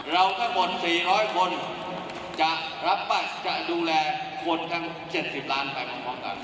เราทั้งหมด๔๐๐คนจะรับปรัชน์จะดูแลคนทั้ง๗๐ล้านแผ่นของพร้อมตังค์